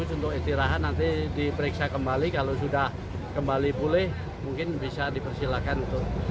ya istirahat dulu makan obat kalau sudah stabil baru jalan lagi